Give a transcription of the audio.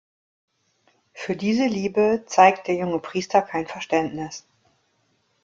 Für diese Liebe zeigt der junge Priester kein Verständnis.